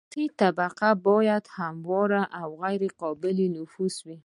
سطحي طبقه باید همواره او غیر قابل نفوذ وي